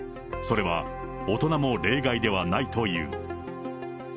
それは大人も例外ではないという。